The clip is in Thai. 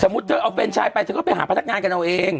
เธอเอาแฟนชายไปเธอก็ไปหาพนักงานกันเอาเอง